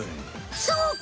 そうか！